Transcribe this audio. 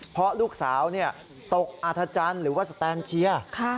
เพราะลูกสาวตกอาธจันทร์หรือว่าสแตนเชียร์